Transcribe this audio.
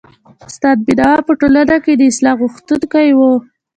استاد بينوا په ټولنه کي د اصلاح غوښتونکی و.